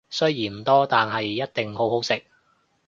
雖然唔多，但都一定好好食